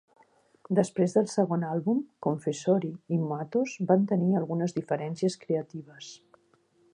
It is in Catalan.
Després del segon àlbum, Confessori i Matos van tenir algunes diferències creatives.